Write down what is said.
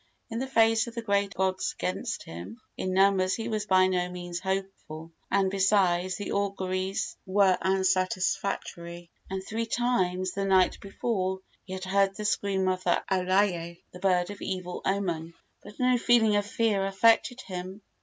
In the face of the great odds against him in numbers he was by no means hopeful; and, besides, the auguries were unsatisfactory, and three times the night before he had heard the scream of the alae, the bird of evil omen. But no feeling of fear affected him.